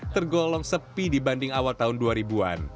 tergolong sepi dibanding awal tahun dua ribu an